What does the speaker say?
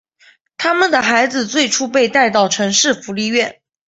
他们的孩子最初被带到城市福利院。